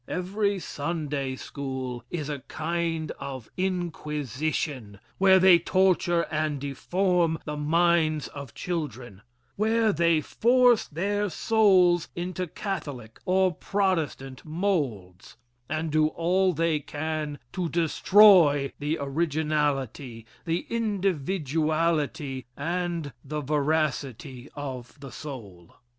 Every Sunday school is a kind of inquisition where they torture and deform the minds of children where they force their souls into Catholic or Protestant moulds and do all they can to destroy the originality, the individuality, and the veracity of the soul.